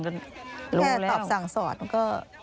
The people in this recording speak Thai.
แค่ตอบสั่งสอนก็